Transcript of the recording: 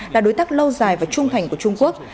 là đối tác lâu dài và trung thành của trung quốc